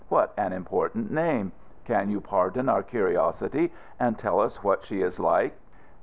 "What an important name. Can you pardon our curiosity and tell us what she is like?"